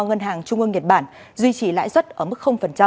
ngân hàng trung ương nhật bản duy trì lãi suất ở mức